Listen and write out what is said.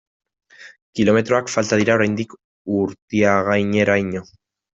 Kilometroak falta dira oraindik Urtiagaineraino.